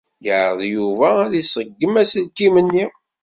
Yeɛreḍ Yuba ad iṣeggem aselkim-nni.